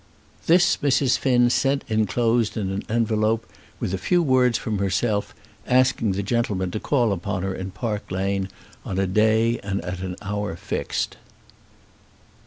This Mrs. Finn sent enclosed in an envelope, with a few words from herself, asking the gentleman to call upon her in Park Lane, on a day and at an hour fixed.